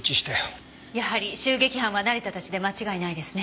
やはり襲撃犯は成田たちで間違いないですね。